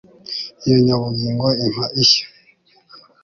iyo nyabugingo impaye ishya